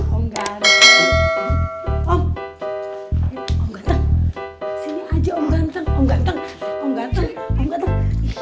om ganteng sini aja om ganteng om ganteng om ganteng